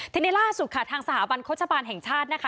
ทีนี้ล่าสุดค่ะทางสถาบันโฆษบาลแห่งชาตินะคะ